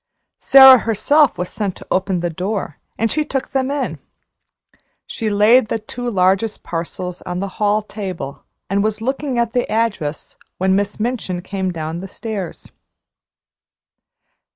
Sara herself was sent to open the door, and she took them in. She laid the two largest parcels down on the hall table and was looking at the address, when Miss Minchin came down the stairs.